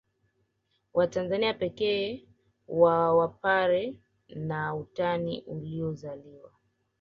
Watani pekee wa Wapare na utani uliozaliwa